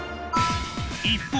一方